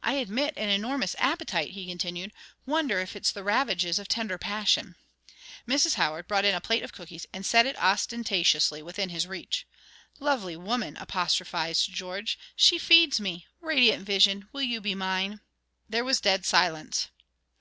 "I admit an enormous appetite," he continued. "Wonder if it's the ravages of the tender passion?" Mrs. Howard brought in a plate of cookies and set it ostentatiously within his reach. "Lovely woman!" apostrophised George. "She feeds me! Radiant vision, will you be mine?" There was a dead silence.